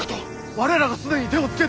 我らが既に手をつけておる！